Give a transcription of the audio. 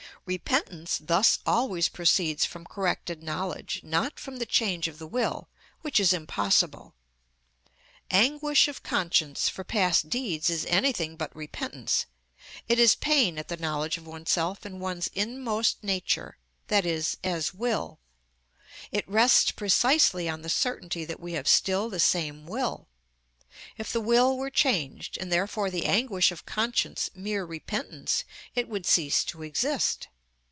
Repentance thus always proceeds from corrected knowledge, not from the change of the will, which is impossible. Anguish of conscience for past deeds is anything but repentance. It is pain at the knowledge of oneself in one's inmost nature, i.e., as will. It rests precisely on the certainty that we have still the same will. If the will were changed, and therefore the anguish of conscience mere repentance, it would cease to exist.